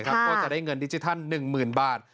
ก็จะได้เงินดิจิทัล๑๐๐๐บาท